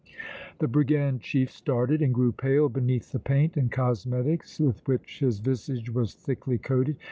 The brigand chief started and grew pale beneath the paint and cosmetics with which his visage was thickly coated.